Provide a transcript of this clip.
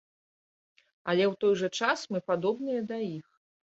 Але ў той жа час, мы падобныя да іх.